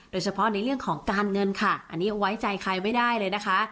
โดยเฉพาะในเรื่องของการเงินค่ะอันนี้ไว้ใจใครไม่ได้เลยนะคะ